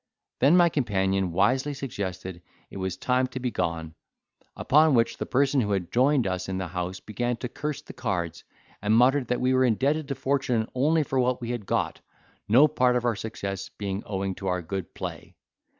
Then my companion wisely suggested it was time to be gone; upon which the person who had joined us in the house began to curse the cards, and muttered that we were indebted to fortune only for what we had got, no part of our success being owing to our good play.